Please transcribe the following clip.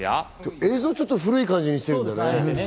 映像を古い感じにしてるんだね。